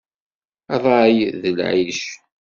Ṛṛay d lɛic.